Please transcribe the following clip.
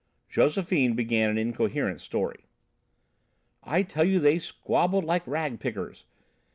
Josephine began an incoherent story. "I tell you they squabbled like rag pickers!